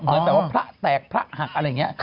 เหมือนแบบว่าพระแตกพระหักอะไรอย่างนี้